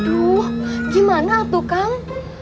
aduh gimana tuh kang